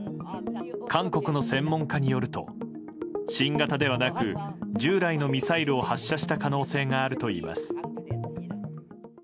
韓国の専門家によると新型ではなく従来のミサイルを発射した可能性があるといいます。